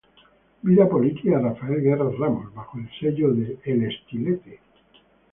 Vida política de Rafael Guerra Ramos", bajo el sello de El Estilete.